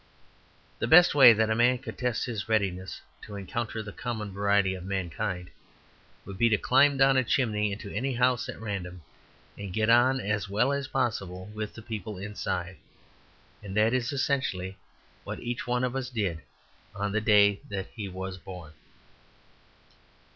The best way that a man could test his readiness to encounter the common variety of mankind would be to climb down a chimney into any house at random, and get on as well as possible with the people inside. And that is essentially what each one of us did on the day that he was born.